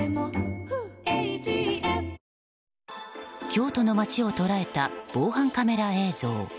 京都の街を捉えた防犯カメラ映像。